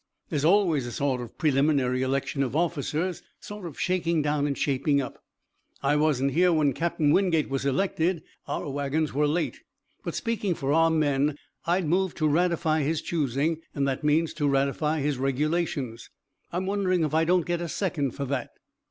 There's always a sort of preliminary election of officers; sort of shaking down and shaping up. I wasn't here when Cap'n Wingate was elected our wagons were some late but speaking for our men, I'd move to ratify his choosing, and that means to ratify his regulations. I'm wondering if I don't get a second for that?"